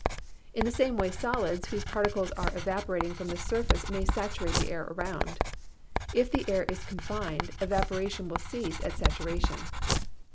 In the same way solids whose particles are evaporating from the surface may saturate the air around. If the air is confined, evaporation will cease at saturation.